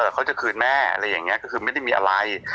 เขาจะขืนแม่ไม่ได้มีอะไร